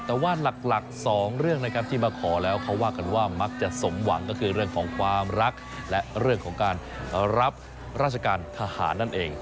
แต่ว่าหลักสองเรื่องนะครับที่มาขอแล้วเขาว่ากันว่ามักจะสมหวังก็คือเรื่องของความรักและเรื่องของการรับราชการทหารนั่นเอง